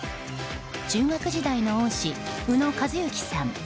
中学時代の恩師、宇野和之さん。